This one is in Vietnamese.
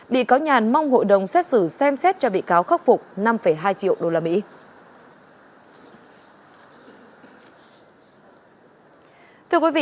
bị cáo nhàn mong hội đồng xét xử xem xét cho bị cáo khắc phục năm hai triệu usd